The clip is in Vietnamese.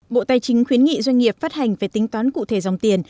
bộ tài chính khuyến nghị doanh nghiệp phát hành về tính toán cụ thể dòng tiền